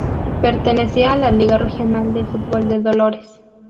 Pertenecía a la Liga Regional de Fútbol de Dolores.